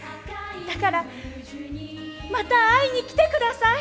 だからまた会いに来て下さい。